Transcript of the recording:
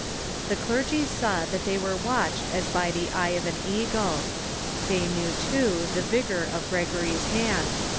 The clergy saw that they ■were watched as by the eye of an eagle. They knew, too, the vigor of Gregory's hand.